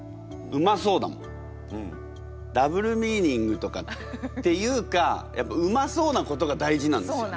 ダブルミーニングとかっていうかやっぱうまそうなことが大事なんですよね。